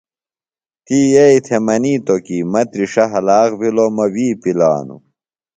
تی یئیئۡ تھےۡ منِیتوۡ کی مہ تِرݜہ ہلاخ بِھلوۡ مہ وی پِلانوۡ۔